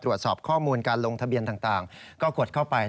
ตรวจสอบข้อมูลการลงทะเบียนต่างก็กดเข้าไป